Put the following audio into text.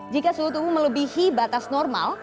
jika suhu tubuh melebihi batas normal